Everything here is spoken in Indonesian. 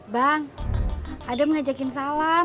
bang adam ngajakin salam